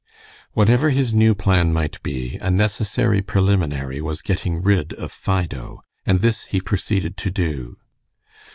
Whatever his new plan might be, a necessary preliminary was getting rid of Fido, and this he proceeded to do.